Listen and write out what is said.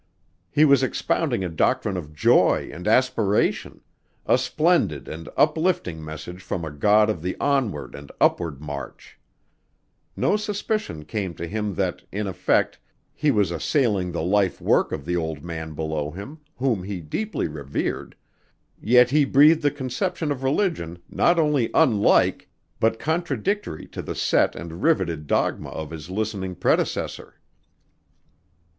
He was expounding a doctrine of joy and aspiration: a splendid and uplifting message from a God of the onward and upward march. No suspicion came to him that, in effect, he was assailing the life work of the old man below him, whom he deeply revered, yet he breathed a conception of religion not only unlike, but contradictory to the set and riveted dogma of his listening predecessor.